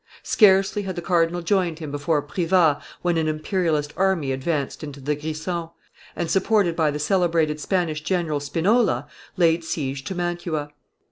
Scarcely had the cardinal joined him before Privas when an imperialist army advanced into the Grisons, and, supported by the celebrated Spanish general Spinola, laid siege to Mantua.